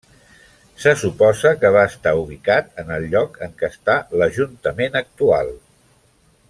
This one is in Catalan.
Se suposa que va estar ubicat en el lloc en què està l'Ajuntament actual.